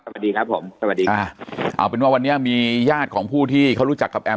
สวัสดีครับผมสวัสดีค่ะเอาเป็นว่าวันนี้มีญาติของผู้ที่เขารู้จักกับแอม